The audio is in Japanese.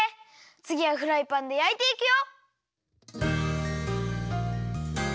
つぎはフライパンで焼いていくよ！